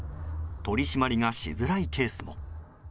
取り締まりがしづらいケースも。